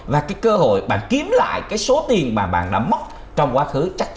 và cái cơ hội bạn kiếm lại cái số tiền mà bạn đã mất trong quá khứ